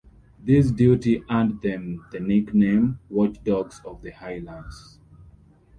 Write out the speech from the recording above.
This duty earned them the nickname "Watchdogs of the Highlands".